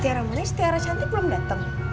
tiara manis tiara cantik belum datang